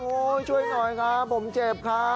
ช่วยหน่อยครับผมเจ็บครับ